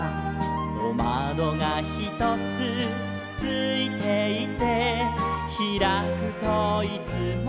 「おまどがひとつついていて」「ひらくといつも」